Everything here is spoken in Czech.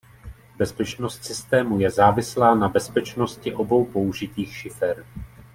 Bezpečnost systému je závislá na bezpečnosti obou použitých šifer.